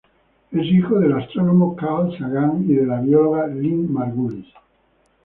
Es hijo del astrónomo Carl Sagan y de la bióloga Lynn Margulis.